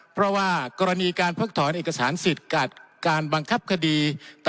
เพราะว่ากรณีการเพิกถอนเอกสารสิทธิ์กับการบังคับคดี